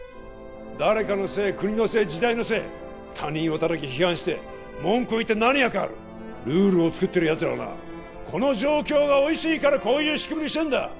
誰かのせい国のせい時代のせい他人を叩き批判して文句を言って何が変わる？ルールをつくってるヤツらはなこの状況がおいしいからこういう仕組みにしてんだ